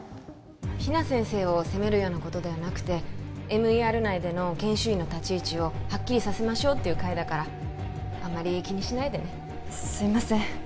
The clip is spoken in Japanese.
比奈先生を責めるようなことではなくてＭＥＲ内での研修医の立ち位置をはっきりさせましょうっていう会だからあんまり気にしないでねすいません